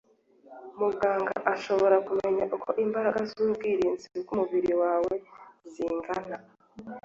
Muganga ashobora kumenya uko imbaraga z’ubwirinzi bw’umubiri wawe zingana